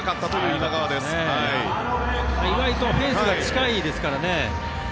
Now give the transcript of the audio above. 意外とフェンスが近いですからね。